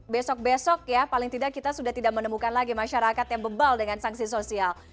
besok besok ya paling tidak kita sudah tidak menemukan lagi masyarakat yang bebal dengan sanksi sosial